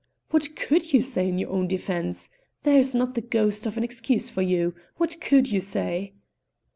"What could you say in your own defence? There is not the ghost of an excuse for you. What could you say?"